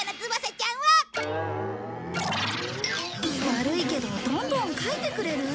悪いけどどんどん描いてくれる？